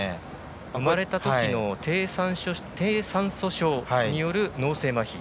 生まれたときの低酸素症による脳性まひ。